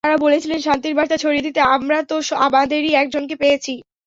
তাঁরা বলেছিলেন, শান্তির বার্তা ছড়িয়ে দিতে আমরা তো আমাদেরই একজনকে পেয়েছি।